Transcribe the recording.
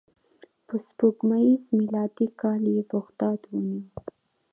په سپوږمیز میلادي کال یې بغداد ونیو.